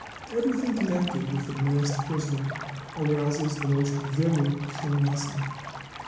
Everything connected with the masked prisoner arouses the most vivid curiosity.